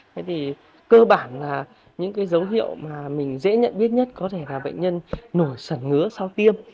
thế thì cơ bản là những cái dấu hiệu mà mình dễ nhận biết nhất có thể là bệnh nhân nổi sẩn ngứa sau tiêm